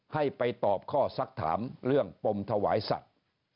ให้ไปตอบข้อสักถามเรื่องปมถวายสัตว์